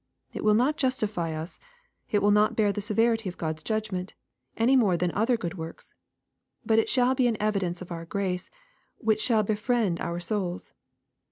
It will not justify us. It will not bear the severity of God's judgment, any more than other good works. But it shall be an evidence of our grace, which shall befriend our souls.